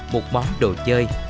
một món đồ chơi